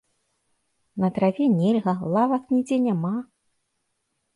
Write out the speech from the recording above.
На траве нельга, лавак нідзе няма!